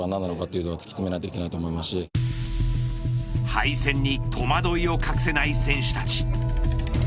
敗戦に戸惑いを隠せない選手たち。